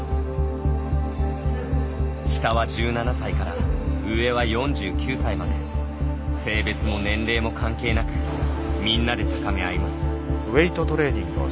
下は１７歳から上は４９歳まで性別も年齢も関係なくみんなで高め合います。